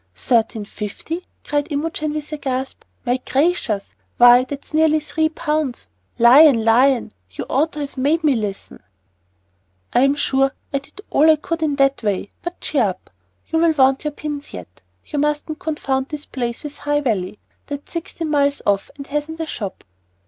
"Thirteen fifty," cried Imogen with a gasp. "My gracious! why, that's nearly three pounds! Lion! Lion! you ought to have made me listen." "I'm sure I did all I could in that way. But cheer up! You'll want your pins yet. You mustn't confound this place with High Valley. That's sixteen miles off and hasn't a shop."